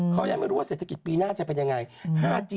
เขายังไม่รู้ว่าเศรษฐกิจปีหน้าจะเป็นยังไง